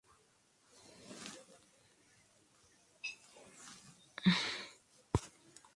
Asimismo ha tomado varios cursos de preparación pedagógica en su formación como docente.